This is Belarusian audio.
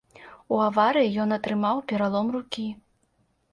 У аварыі ён атрымаў пералом рукі.